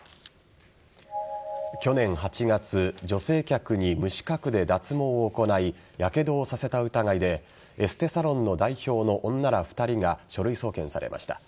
去年８月女性客に無資格で脱毛を行いやけどをさせた疑いでエステサロンの代表の女ら２人が書類送検されました。